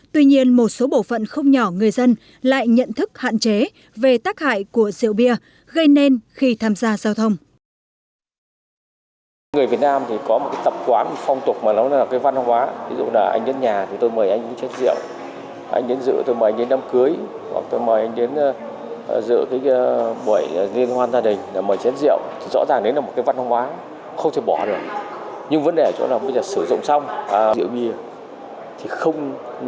tuy nhiên một số bộ phận không nhỏ người dân lại nhận thức hạn chế về tắc hại của rượu bia gây nên khi tham gia giao thông